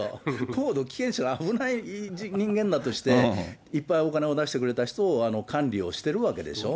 高度危険者、危ない人間だとして、いっぱいお金を出してくれた人を管理をしてるわけでしょ。